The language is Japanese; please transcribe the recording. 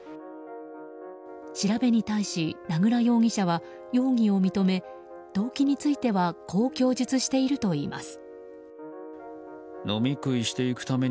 調べに対し名倉容疑者は容疑を認め動機についてはこう供述しているといいます。